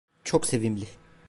Çok sevimli.